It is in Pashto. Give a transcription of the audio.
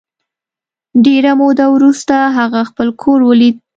ډېره موده وروسته هغه خپل کور ولید